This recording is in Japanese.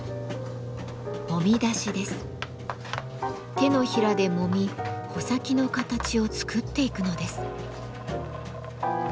手のひらでもみ穂先の形を作っていくのです。